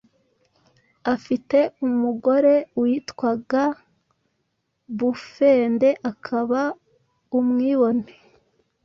afite umogore witwaga Bufende akaba umwibone